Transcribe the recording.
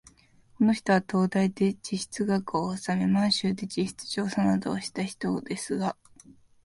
この人は東大で地質学をおさめ、満州で地質調査などをした人ですが、